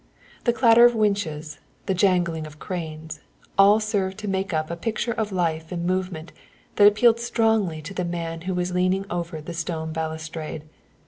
The clatter of winches, the jangling of cranes, all served to make up a picture of life and movement that appealed strongly to the man who was leaning over the stone balustrade.